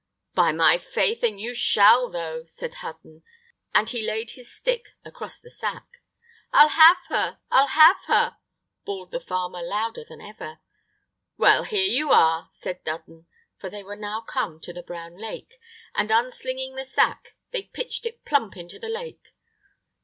"By my faith and you shall, though," said Hudden, and he laid his stick across the sack. "I'll have her! I'll have her!" bawled the farmer, louder than ever. "Well, here you are," said Dudden, for they were now come to the Brown Lake, and, unslinging the sack, they pitched it plump into the lake.